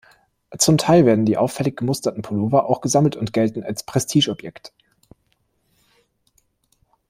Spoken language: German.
Zum Teil werden die auffällig gemusterten Pullover auch gesammelt und gelten als Prestigeobjekt.